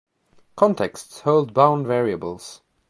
contexts hold bound variables